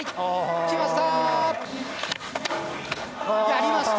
きました！